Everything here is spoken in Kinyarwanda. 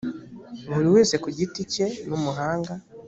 buri wese ku giti cye numuhanga